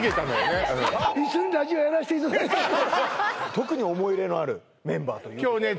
特に思い入れのあるメンバーと今日ね